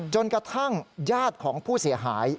จนกระทั่งญาติของผู้เสียหาย